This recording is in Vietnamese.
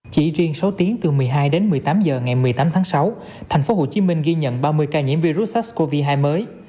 chỉ riêng từ một mươi hai đến một mươi tám h ngày một mươi tám tháng sáu tp hcm ghi nhận ba mươi ca nhiễm virus sars cov hai mới